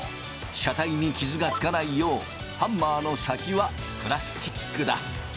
車体に傷がつかないようハンマーの先はプラスチックだ。